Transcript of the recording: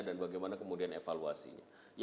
dan bagaimana kemudian evaluasinya